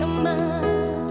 selamat pagi emang